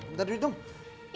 bu bentar ditunggu